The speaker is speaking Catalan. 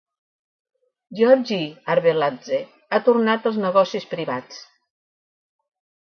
Giorgi Arveladze ha tornat als negocis privats.